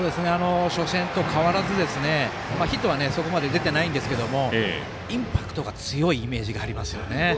初戦と変わらずヒットはそこまで出ていませんがインパクトが強いイメージがありますね。